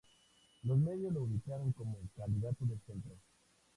Los medios lo ubicaron como candidato de centro.